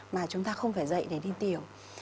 mà chúng ta không phải dậy để đi tiểu